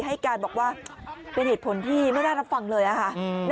ให้การบอกว่าเป็นเหตุผลที่ไม่ได้รับฟังเลยอะค่ะ